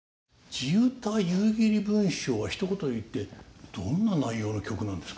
地唄「夕霧文章」はひと言で言ってどんな内容の曲なんですか？